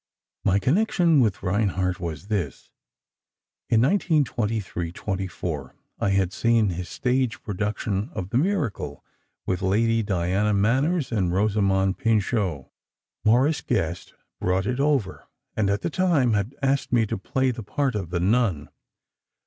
"My connection with Reinhardt was this: In 1923 24, I had seen his stage production of 'The Miracle,' with Lady Diana Manners and Rosamond Pinchot. Morris Gest brought it over, and at the time had asked me to play the part of the nun.